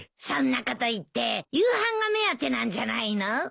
そんなこと言って夕飯が目当てなんじゃないの？